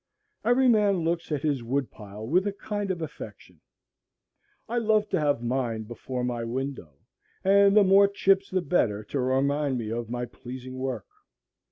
Every man looks at his wood pile with a kind of affection. I love to have mine before my window, and the more chips the better to remind me of my pleasing work.